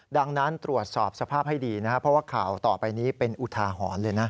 ดังนั้นตรวจสอบสภาพให้ดีนะครับเพราะว่าข่าวต่อไปนี้เป็นอุทาหรณ์เลยนะ